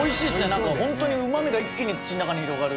なんかホントにうまみが一気に口の中に広がる。